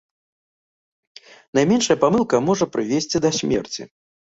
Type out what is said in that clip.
Найменшая памылка можа прывесці да смерці.